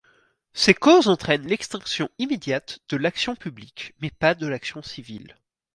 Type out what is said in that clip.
Ces causes entraînent l'extinction immédiate de l'action publique mais pas de l'action civile.